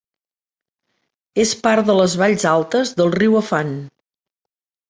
És part de les valls altes del riu Afan.